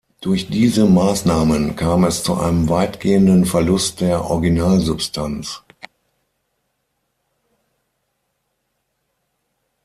Durch diese Maßnahmen kam es zu einem weitgehenden Verlust der Originalsubstanz.